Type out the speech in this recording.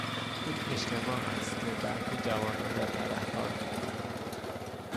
این اجتماع است که برخی جوانان را تبهکار میکند.